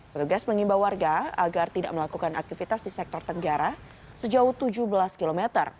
petugas mengimbau warga agar tidak melakukan aktivitas di sektor tenggara sejauh tujuh belas km